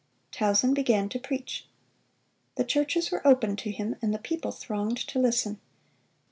Tausen began to preach. The churches were opened to him, and the people thronged to listen.